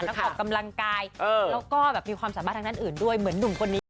ออกกำลังกายแล้วก็แบบมีความสามารถทางด้านอื่นด้วยเหมือนหนุ่มคนนี้